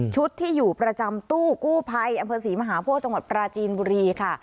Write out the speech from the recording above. ที่อยู่ประจำตู้กู้ภัยอำเภอศรีมหาโพธิจังหวัดปราจีนบุรีค่ะ